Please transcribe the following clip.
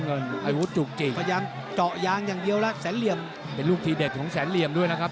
พยายามเจาะยางยังเยอะนะครับเป็นรูปทีเด็กของแบบแสนเลี่ยงนะครับ